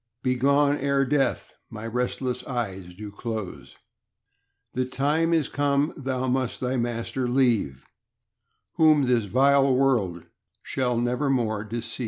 Begone ere death my restless eyes do close; The time is come thou must thy master leave, Whom this vile world shall never more deceive.